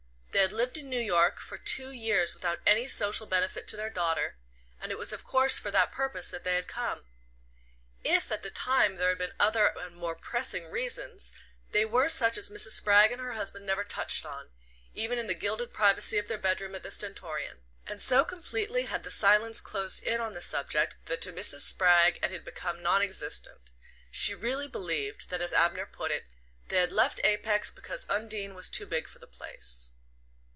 They had lived in New York for two years without any social benefit to their daughter; and it was of course for that purpose that they had come. If, at the time, there had been other and more pressing reasons, they were such as Mrs. Spragg and her husband never touched on, even in the gilded privacy of their bedroom at the Stentorian; and so completely had silence closed in on the subject that to Mrs. Spragg it had become non existent: she really believed that, as Abner put it, they had left Apex because Undine was too big for the place.